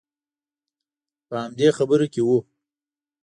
په همدې خبرو کې وو.